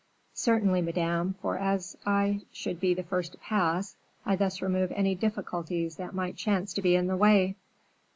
"Certainly, Madame; for as I should be the first to pass, I thus remove any difficulties that might chance to be in the way."